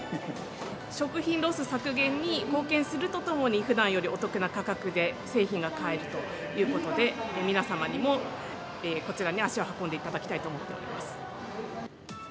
食品ロス削減に貢献するとともに、ふだんよりお得な価格で製品が買えるということで、皆様にもこちらに足を運んでいただきたいと思っております。